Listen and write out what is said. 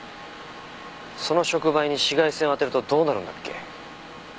その触媒に紫外線を当てるとどうなるんだっけ？